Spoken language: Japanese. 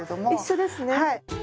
あっ一緒ですね。